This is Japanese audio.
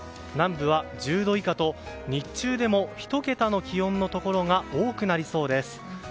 南部は、１０度以下と日中でも１桁の気温のところが多くなりそうです。